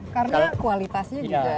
karena kualitasnya juga